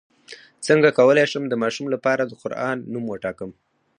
څنګه کولی شم د ماشوم لپاره د قران نوم وټاکم